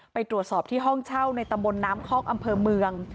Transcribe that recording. ไปตรวจสอบที่ห้องเช่าในตำบลน้ำคอกอำเภอเมือง